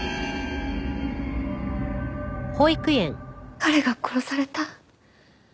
彼が殺された？